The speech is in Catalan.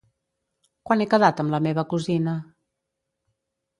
Quan he quedat amb la meva cosina?